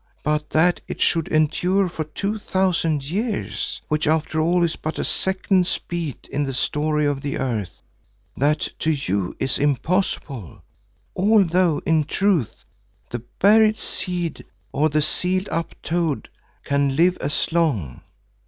But that it should endure for two thousand years, which after all is but a second's beat in the story of the earth, that to you is 'impossible,' although in truth the buried seed or the sealed up toad can live as long.